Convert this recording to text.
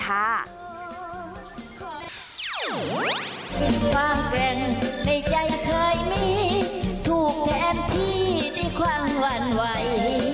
ความแกร่งในใจเคยมีถูกแทนที่ด้วยความหวั่นไหว